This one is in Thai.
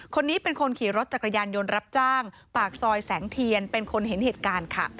คนนี้เป็นคนขี่รถจักรยานยนต์รับจ้างปากซอยแสงเทียนเป็นคนเห็นเหตุการณ์ค่ะ